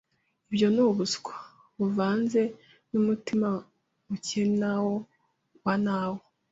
Ibyo n’ubuswa buvanze n’umutima mukenawo wa ntawo